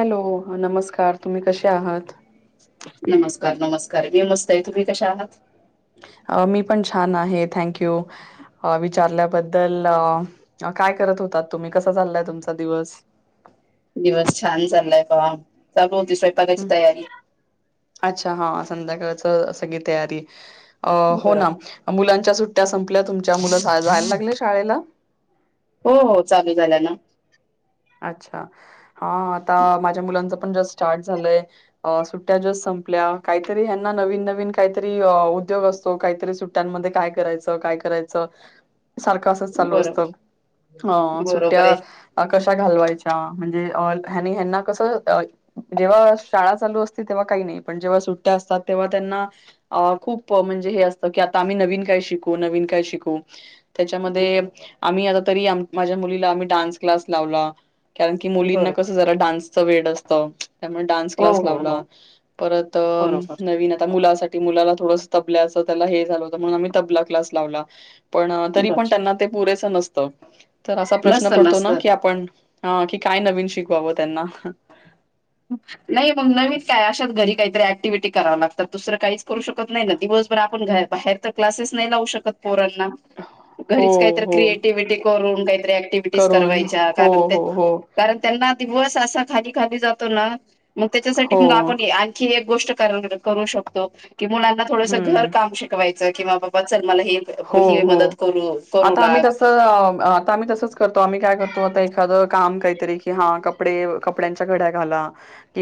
Hello नमस्कार तुम्ही कसे आहात कार बी मस्त आहे तुम्ही कशा आहात मी पण छान आहे थँक यू विचारल्याबद्दल काय करत होतात तुम्ही कसा चाललाय तुमचा दिवस [inaudible] दिवस छान चाललाय बा चालू होती स्वयपाकाची हं तयारी. अच्छा हा संध्याकाच सगी तयारी हो बरं ना मुलांच्या सु त्या संपल्या तुमच्या मुलं जायला लागले शाळेला? हो हो चालू झाल्या ना. अच्छा हा आता माझ्या मुलांच पण जस्ट स्टार्ट झालय सुट्ट्या जस्ट सम्प आप काहीतरी ह्याना नवीन नवीन काहीतरी उद्योग असतो काहीतरी सुट्ट्यांमध्ये काय करायच काय करायच, सारख असच चालू असत, बरोबर अ सुट्ट्या बरोबर आहे कशा घालवायच्या म्हणजे ह्यांनी ह्यांना कस अ जेव्हा शाळा चालू असते तेव्हा काही पण जेव्हा सुट्ट्या असतात तेव्हा त्यांना खूप म्हणजे हे असत की आता आम्ही नवीन काय शिकू काय शिकू? त्याच्यामध्ये बरोबर आम्ही तरी आता माझ्या मुलीला डान् लावला कारण की मुलींना बरोबर कस जरा डान्सच वेड असत. त्यामुळे डान्स हो क्लास हो लावला हो परत अ बरोबर नवीन आ मुलासा मुलाला थोडस तबल्याच त्याला हे झाल होत म्हणून आम्ही तबला क्लास लावला. पण तरी पण त्यांना बर ते पुरेस नसत, तर असा प्रश्न नसतं पडतो ना नसतं की आप हा कि काय नवीन शिकवावं त्यांना. नाही मग नवीन काय, अशात घरी काहीतरी ऍक्टिव्हिटी कराव लागतात दुसर काहीच करू शकत नाही ना दिवस आपण बाहेर क्लासेस नाही लावु शकत. पोरांना हो, घरीच काहीत हो. क्रिएटिव्हटी करून काही क्टिव्हिज करून. करावायच्या हो, कारण हो, त्यांना, हो. कारण त्यांना दिवस असा खाली खाली जातो ना मग त्याच्यासाठी हो. मग आपण आणखी एक शकतो की मुलांना थोडस घर हं. काम शिकयच कि बाबा चल मला हे हो, ही मदत हो. करू करू आता आम्ही लाग तस आता आम्ही तसच करतो आम्ही काय करतो आता एखाद काम काही क हा कपडे कपड्यांच्या घड्या घाला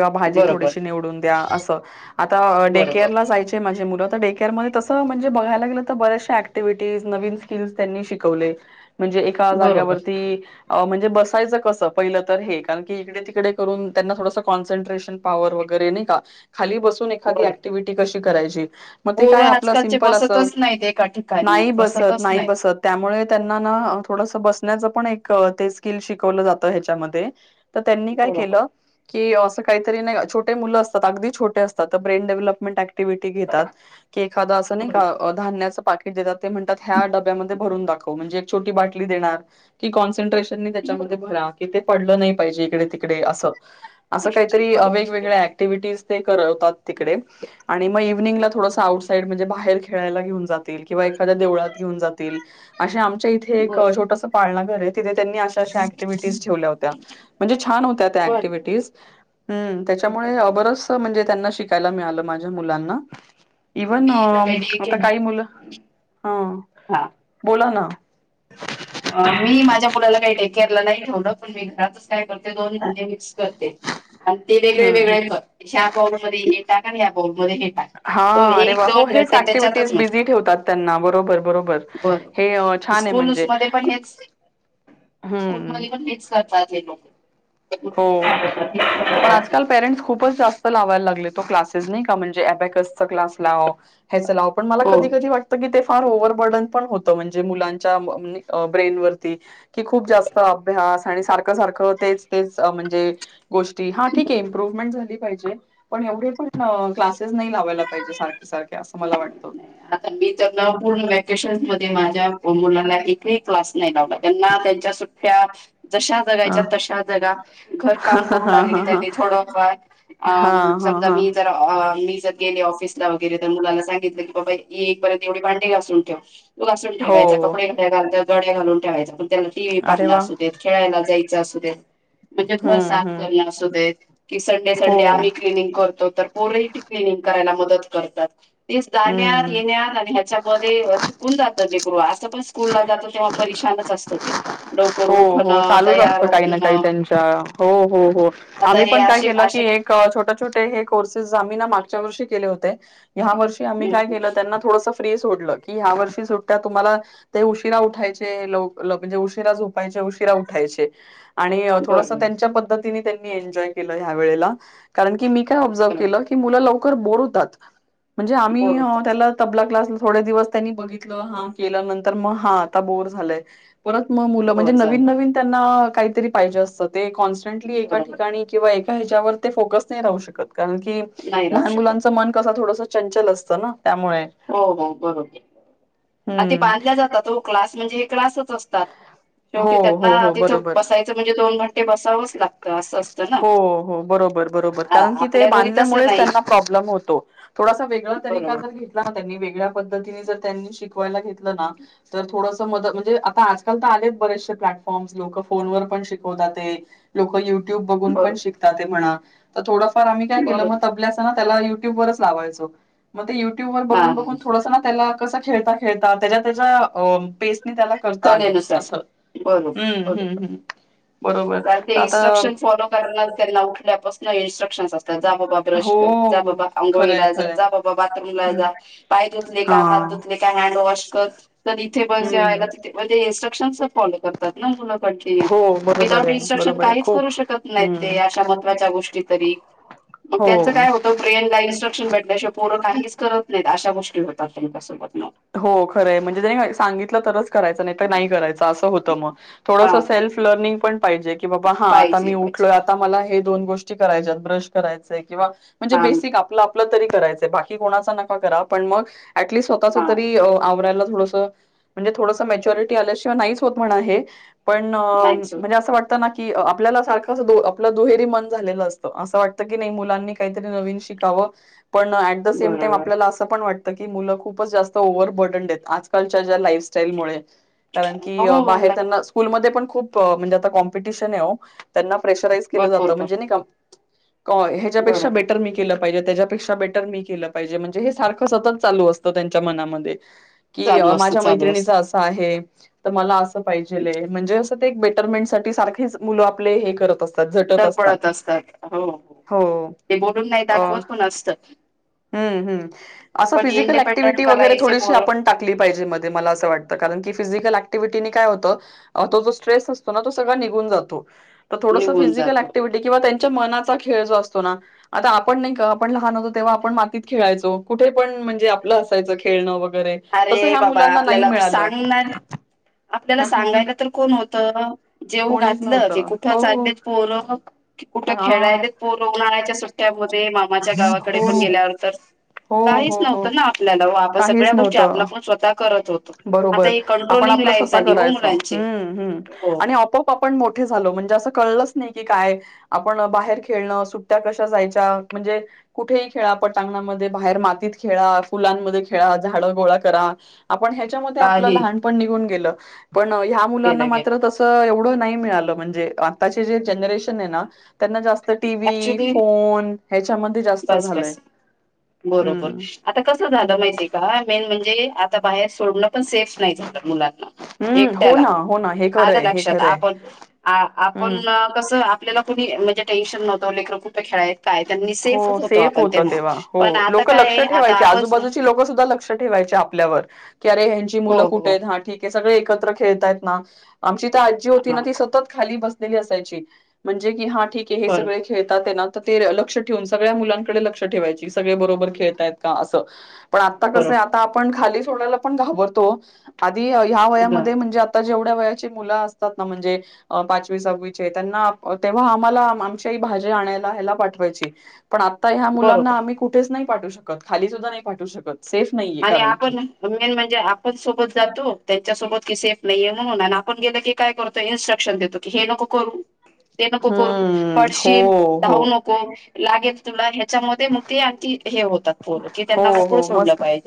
वा भाजी बरोबर थोडीशी निवडून द्या अस, आता डेकेअर बरोबर ला जायचे माझे मुल डेकअर मधे तस म्हणजे बघायला गेल तर बऱ्याचशा ऐक्टिव्हटीज नवीन स्किल्स त्यांनी शिकवले. म्हणजे एका बरोबर जाग्यावरती म्हणजे बसायच कस पहिल तर हे कारण की इकडे तिकडे करून त्यांना थोडंस कॉन्संट्ट्रेशन पावर वगैर वगैरे नाही का खाली बसून एखादी बरोबर ऍक्टिव्हटी कशी करायची? मग ते पोरं काय आपलं आजकालचे सिमपल अस बसतच नाहीत एका ठिकाणी नाही बसत बसतच नाही नाहीत बसत त्यामुळे त्यांना ना थोडस बसण्याचं पण एक ते स्किल शिकवलं जातं ह्याच्यामध्ये तर त्यांनी काय केल, बरोबर की अस काहीतरी, छोटे मुल असतात अगदी छोटे असतात तर ब्रेन डेव्हलपमेंट ते घेतात, की एखाद अस नायी का बरोबर धान्या च अस ते देतात, ते म्हणतात ह्या डाब्ब्या मधे भरून दाखव म्हंजे एक छोटी बाटली देणार की काँसेन्ट्रेशन त्याच्यामध्ये भरा की ते पडल नाही पाहिजे इकडे तिकडे अस. अस काहीतरी बरोबर वेगवेगळ्या ते ऍक्टिव्हटीज करवतात तिकडे आणि मग इव्हनिंग ला थोडस आउटसाईड म्हणजे बाहेर खेळायला घेऊन जातील किंवा एखाद्या देवळात घेऊन जातील अशा आम च्या इथे एक बर छोटस पाळणा घर ये तिथे त्यांनी अशा ऍक्टिव्हिटीज ठेवल्या होत्या म्हणजे छान होत्या त्या बर ऍक्टिव्हिटीज हम्म त्याच्यामुळे अ बरस म्हणजे त्यांना शिकायला मिळाल माझ्या मुलांना इव्हन मी तर काही डे आता केलं. काही मुल हा. हा. बला ना. मी माझ्या मुलाला काही डे केअरला नाही ठेवल, पण मी घरातच काय करते, दोन धान्य मिक्स करते. आणि ते वेगळे हं, हं. वेगळे, ह्या [unintelligible] ये टाका या पाल हा अरे वा हो हेच त्याच्यातच ऍक्टिव्हटीज नसतो बिझी ठेवतात त्यांना बरोबर बरोबर हे छान आहे स्कूलच म्हणजे. मध्ये पण हेच स्कूल हं. मध्ये पण हेच करतात हे लोक हो पण आजकाल पेरेंट्स खूपच च जास्त ते लावायला लागले तो क्लासेस नाही का म्हणजे एबॅकसचा क्लास लाव ह्याच लाव पण मला हो. कधी कधी वाटतं की ते फार ओवरबर्डन पण होत ते म्हणजे मुलांच्या ब्रेन वरती की खूप जास्त अभ्यास सारख सारखं तेच तेच म्हणजे गोष्टी ठीक इव्हमूरमेट झाली पाहिजे पण एवढेपण कलासेस नाही ना लावायला पाहिजे सारखे सारखे असं मला वाटत विशेष म्हणजे माझ मुला एक क्लास नाही लावला त्यांना त्यांच्या सुटया जशा हा जगायच्या तशा जगा घर हा काम करू हा हा लागलीच आहे हा मी थोडंफार अ हा हा हा समजा हा मी जर अ आम्ही गेले ऑफिसला वगैरे तर मुलाला सांगितलं की बाबा येईपर्यंत एवढी भांडी घासून ठेवा तो घासून ठेवायचा हो. कपडे घडया घालून ठेवायचा आवरून ठेवायचा पण त्याला टी व्ही अरे पाहला वा असू देत खेळायला जायच मग असू दे म्हणजे घर हम्म साफ हम्म करण असू देत की संडे हो संडे आम्ही क्लनिंग करतो तर पोर पण क्लिनिंग करायला मदत करतात ते जाण्यात हम्म. येण्यात आणि ह्याच्यामध्ये थकून जातं बी तो असं पण स्कूल ला जातो तेव्हा पररिशानच असतं ते लवकर हो हो उठणं चालूच असत तयार काही ना काही होणं त्यांच्या हो हो हो आता आम्ही हे पण काय असे केलं की असे एक काय छोटे छोट हे कोर्सेस आम्ही त्यांना मागच्या वर्षी केले होते हया वर्षी आम्ही काय हम्म केले त्यांना थोडेसे ते सोडल की ह्या वर्षी सुटया तुम्हाला ते उशिरा उठायचे म्हे उशिरा झोपायचे पहिले उशीरा उठायचे थोडस बरोबर त्यांच्या पद्धतीने मी एन्जॉय केलं ह्या वेळेला कारण की मी काय ऑब्झर्व बरोबर केलं की मुलं लवकर बोअर होतात म्हणजे आम्ही बोर ही होतात त्याला तबला क्लासला थोडे दिवस त्यांनी बघितलं हा केल्यानंतर तर मग हा आता बोअर झालाय परत मग मुलं म्हणजे बोर नवीन झालं नवीन त्यांना काहीतरी पाहिजे असत ते कॉन्सटटली एका बरोबर ठिकाणी किंवा एका ह्याच्यावर ते फोकस नाही राहू शकत कारण की ह नाही राहू लहान शकत मुलांच मन कस थोडस चंचल असतं ना त्यामुळे हो हो बरोबर आणि ते हम्म बांधल्या जातात क्लास म्हणजे हे क्लासच च असतात हो शेवटी त्यांना हो ना हो तिथं बरोबर बसायचं म्हणजे दोन म्हट हो हो बरोबर बरोबर हा कारण की ते आपल्या घरी तसं बांधल्यामुळे नाही त्यांना प्रोब्लम होतो थोडासा वेगळ काय बरोबर तरी हा त्यानी वेगळ्या पद्धतीने जर त्यांनी शिकवायला घेतलं ना तर थोडस मत म म्हणजे आता आजल हल्ली अनेक बरेचसे प्लॅटफॉर्म्स लोक फोनवर पण शिकवतात ते लोक युट्यूब बघून बरोबर पण शिकतात ते म्हणा तर थोडंफार आम्ही काय केलं मग बरोबर तबल्यासह ना त्या युट्यूबरच लावायचो मग ते युट्यू वर हा बघून हा बघून थोडस मग त्याला कस खेळता खेळ त्याच्या त्याच्या अ तेच ती त्याला करता आलं कलेनुसार अस बरोबर बरोबर हम्म्म् बरोबर कारण ते तर आता इन्स्ट्रक्शन फॉलो करणार त्यांना उठल्यापासून इन्स्ट्रक्शन असतात जा बाबा ब्रश हो कर जा हो बाबा खरंय आघोळीला जा खरंय जा बाबा बाथरूमला जा हम्म. पाय धुतले हा. का हात धुतले क हनडवाश बस तर इथे बस हम्म जेवायला तिथे बस म्हणजे इन्स्ट्रक्शन फॉलो करतात ना मुलं करतील हो बरोबर विदाऊट आहे इन्स्ट्रक्शन बरोबर आहे काहीच खूप करूच शकत नाहीत ते हम्म. अशा महत्वाच्या गोष्टी कधी मग त्यांच हो. काय होत प्रेरला इन्स्ट्रक्शन भेटल्याशिवाय काहीच क करत नाहीत अशा गोष्टी होतात तुमच्यासोबत मग हो खरं म्हणजे त्यांनी लय नाही सांगितलं तरच करायच तर नाही करायच अस होत मग थोडस हा सेल्फ लर्निग पाहिजे की की बाबा हा आता पाहिजे मी उठलोय पाहिजे आता मला हे दोन गोष्टी करायच्या ब्रश करायचा आहे किंवा म्हणजे हा बेसिक आपलं आपलं तरी करायचंय बाकी कोणाचा नका करा पण मग ऍटलिस्ट स्वताचे हा आवला म्हणजे थोडस मचरिउटी आल्याशिवा नाही होत पण ण नाहीच होत. म्हणजे असं वाटत ना की की आपल्याला सारखं आपल दुहेरी मन झालेलं असतं असं वाटतं की नाही मुलांनी काहीतरी नवीन शिकावं पण ऍट द सेम टाइम बरोबर आपल्याला असं पण वाटतं की मुलं खूपच जास्त.. ओव्हर बर्डनडेत आजकालच्या ज्या लाईफस्टाईलमुळे.. कारण की हो हो बाहेर नाही. त्यांना स्कूलमध्ये पण खूप म्हणजे आता कॉम्पिटिशन आहे. त्यांना.. प्रेशरा के जात भरपूर भर म्हणजे का.. कय ह्याच्यापेक्षा बरोबर बेटर मी केलं.. त्यापेक्षा बेटर मी के पाजे म्हणजे सारखं सतत चालू असत त्यांच्या मनामध्ये.. की चालू असतं माझ्या चालू मैत्रिणीच असतं असं आहे तर मला असं पाहिजे म्हणजे अस.. बेटरमेंट साठी सारखे मुलं आपले हे करत असतात. झटत असतात धडपडत असतात हो हो ते बोलून नाही अ.. दाखवत पण असतं हम्म हम्म. असं पण फिजिकल इंडिपेंडंट ऍक्टिव्हटी करायचे वगैरेथोडीशी पोरं आप टाक पाहिजे मध्ये मला असं वाटतंण की फिजिकल.. क्टिव्हटी काय होत तो जो स्ट्रेस असतो ना तो सगळं निघून जातो. तरथोडं निघून फिजिकल जातो. क्टिव्हट किंवा.. मचा खेळ जो असतो ना आ आपण नाही आपण लहानतो तेव्हा.. आपण मातीत खेळायचो कुठे पणे आपलं असायचं खळणंर. े तस अरे ह बाबा मुलांना नाही आपल्याला मिळालं. सांगणार आपल्याला सांगायला तर कोण होतं. जेव कोणीच घातलं की नव्हतं. कुठं हो, हो. चाललेत पोरं कुठं हां. खेळायला पो उन्हाळ्याच्या सुट्ट्यामध्ये मामाच्या गावाकडे हो, पण गेल्यावर तर हो, काहीच हो, हो. नव्हतं ना आपल्याला ओ आपण सगळ्या काहीच गोष्टी नव्हतं. आपल्या पण स्वतः करत होतो. आता बरोबर ही आपण कंट्रोलिंग आपलं लाईफ स्वतः झाली हो करायच. मुलांची. हो आणि आपप आपण मोठे झा लो असं म्हणजे नाही की काय आपण बाहेर खेळण सुट्ट्या कशा जायच्या म्हणजे कुठेही खेळा पटांगणा मध्ये बाहेर मातीत खेळा, फुलांमध्ये खेळा, झाडं गोळा करा. आपण ह्याच्यामध्ये आपलं काही लहानपण निघून गेलं पण ह्या मुलांना केलं मात्र गेलं तस एवढं नाही मिळाला म्हणजे आताचे जे जनरेशन आहे ना त्यांना जात टी व ऍक्च्युली फोन ह्याच्यामध्ये जास्त बस झालंय. बस बरोबर हं. आता कस झालं माहिती आहे का मेन म्हणजे आता बाहेर सोडणं पण सेफ नाही झालं मुलांना हं, हो एकट्याला ना, हो ना. हे आलं खरंय, हे लक्षात खरंय. आपण आपण हं. कसं आपल्याला कोुणी म्हणजे टेन्शन नव्हत. दोनलेख रुपये खेळाय काय त्यांनी सेफ हो सेफ होत तेव्हा हो लोक लक्ष आहे आता ठेवायचे आपण आजूबाजूची लोक सुद्धा लक्ष ठेवायचे आपल्यावर की अरे ह्यांची हो मुलं कुठे हो आहेत हा ठीक आहे सगळे एकत्र खेळतायत ना, आमची आजी होती ना हा ती सतत खाली बसलेली असायची म्हणजे कि हा ठीक आहे हे बरोबर सगळे खेळतात आहे ना ते लक्ष ठेवून सगळ्या मुलांकडे लक्ष ठेवायची सगळे बरोबर खेळतायत का असं. पण आता कसं आता बरोबर आपण खाली सोडायला पण घाबरतो आधी ह्या वयामध्ये हं, म्हणजे आता जेवढ ढ्या वयाची मुलं असतात ना म्हणजे पाचवी साहवीचे त्यांना तेव्हा आम्हा काही भाज्या आणायला हेला पाठवायचे आता या मुलांना बरोबर आम्ही कु पाठू शकत, खाली सुद्धा नाही पाठू शकत नाहीये आणि कारण की आपण मेन म्हणजे आपण सोबत जातो त्यासोबत की सेफ नाहीये म्हणून आपण गेलं की काय करतो इन्स्ट्रक्शन देतो की हे नको करू ते नको करू, हम्म हो पडशील, हो धावू नको. लागेल तुला ह्याच्यामध्ये मग ते आणखी हे होतात फोल की हो त्यांना मोकळ हो सोडलं मस्त पाहिजे.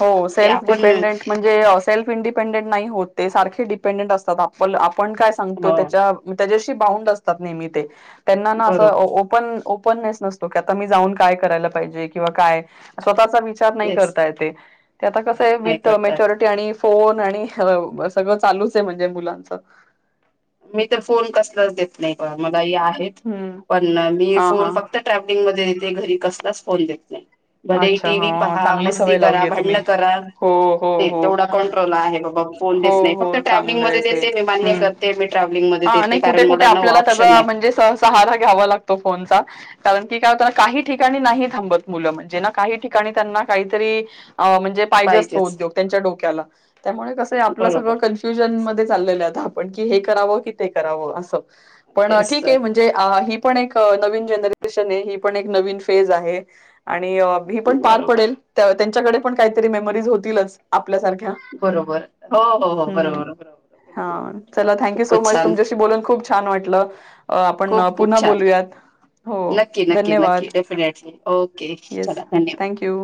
हो ते सेल्फ आपण डिपेंडेंट म्हणजे सेल्फ इंडिपेंडेंट नाही होत ते सारखे डिपेंडंट असतात, आपण आपण काय सांगतोय हो त्याच्या त्या बावुन्ड असतात नेहमी ते त्यांना ना अस ते बरोबर ओपन आ ओप ओपनेस नसतो, आता जाऊन काय करायला पाहिजे, किंवा काय स्वतः विचार नाही तेच करता येत आहे, ते आता कस आहे नाही विथ करतायत. मॅच्युरिटी आणि फोन आणि सगळं चालूच आहे म्हणजे मुलांच. मी तर फोन कसलाच देत नाही ब मग. ई आहेत हम्म पण मी हा फोन हा फक्त ट्रॅव्हलिंग मध्ये देते, घरी कसलाच फोन देत नाही. भले अच्छा टी व्ही हा पहा, चांगली मस्ती सवय करा, लावलीय तुम्ही. भांडण करा, हो हो नाही हो तेवढा कंट्रोल आहे बाबा फोन हो देत नाही फक्त हो ट्रॅव्हलिंग मध्ये चांगलंय ते देते मी मान्य हम्म करते, मी ट्रॅव्हलिंग मध्ये हा आणि देते कुठे कारण कुठे मला न आपल्याला ऑप्शन त्याचा नाही. म्हणजे सहारा घ्यावा लागतो फोनचा कारण की काय होताना काही ठिकाणी नाही थांबत मुलं म्हणजे ना काही ठिकाणी त्यांना काहीतरी म्हणजे पाहिजे असतो पाहिजेच उद्योग त्यांच्या डोक्याला त्यामुळे कसं आपलं सगळं बरोबर कन्फ्युजन चाललेलो आहेत आपण, की हे करावं की ते करावं असं, पण तेच तर ठीकये म्हणजे ही पण एक नवीन जनरेशन आहे, ही पण एक नवीन फेज आहे, आणि मी पण पार बरोबर पडेल त्यांच्याकडे पण काहीतरी मेमरीज होतीलच. आपल्यासारख्या बरोबर हो हो हो हम्म बरोबर बरोबर हा बिलकुल बिलकुल चला थँक्यू सो खूपच मच छान तुमच्याशी बोलून खूप छान वाटलं. अ आपण खूप खूप पुन्हा छान बोलूयात, हो नक्की नक्की नक्की धन्यवाद डेफिनेटली ओके येस चला धन्यवाद. Thank you